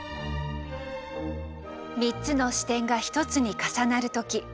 ３つの視点が一つに重なる時。